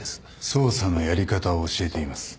捜査のやり方を教えています。